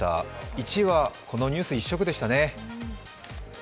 １位はこのニュース一色でしたね。